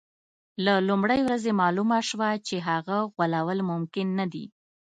له لومړۍ ورځې معلومه شوه چې هغه غولول ممکن نه دي.